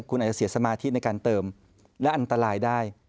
คุณอาจจะเสียสมาธิในการเติมและอันตรายได้